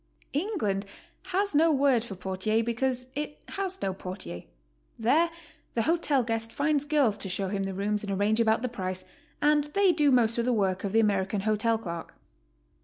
England has no word for portier because it has no por tier. There the hotel guest finds girls to show him the rooms and arrange about the price, and they do most of the work of the American hotel clerk.